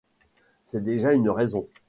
C’est déjà une raison.